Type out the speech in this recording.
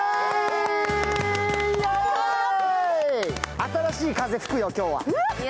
新しい風吹くよ、今日は。